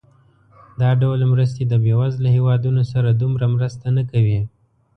دا ډول مرستې د بېوزله هېوادونو سره دومره مرسته نه کوي.